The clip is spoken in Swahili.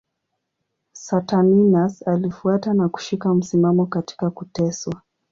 Saturninus alifuata na kushika msimamo katika kuteswa.